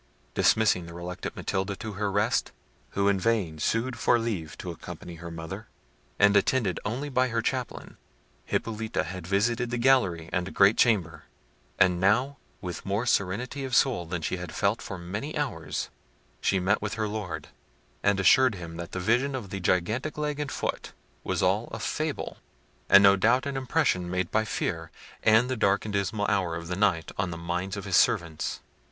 Dismissing the reluctant Matilda to her rest, who in vain sued for leave to accompany her mother, and attended only by her chaplain, Hippolita had visited the gallery and great chamber; and now with more serenity of soul than she had felt for many hours, she met her Lord, and assured him that the vision of the gigantic leg and foot was all a fable; and no doubt an impression made by fear, and the dark and dismal hour of the night, on the minds of his servants.